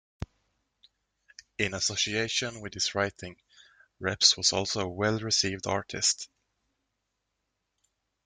In association with his writing, Reps was also a well-received artist.